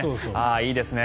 いいですね